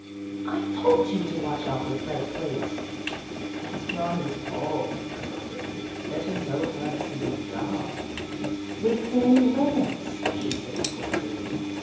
"I told you to watch out for Fred Plaice!" "It's not his fault," I protested. "Catching telepaths is his job." "Within limits," she said scornfully.